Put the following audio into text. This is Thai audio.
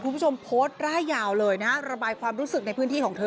คุณผู้ชมโพสต์ร่ายยาวเลยนะระบายความรู้สึกในพื้นที่ของเธอ